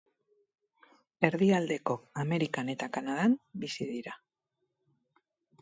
Erdialdeko Amerikan eta Kanadan bizi dira.